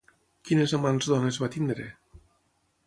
Quines amants dones va tenir?